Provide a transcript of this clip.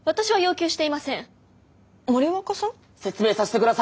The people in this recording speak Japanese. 説明させて下さい！